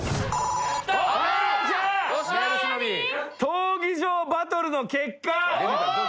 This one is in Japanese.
闘技場バトルの結果